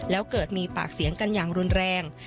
แล้วเกิดมีปากเสียงกันอย่างรุนแรง